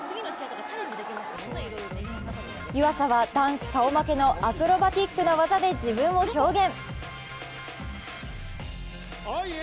湯浅は、男子顔負けのアクロバティックな技で自分を表現。